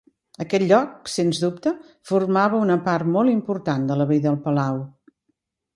Aquest lloc, sens dubte, formava una part molt important de la vida al palau.